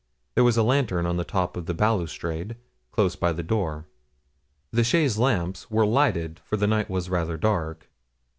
There was a lantern on the top of the balustrade, close by the door. The chaise lamps were lighted, for the night was rather dark.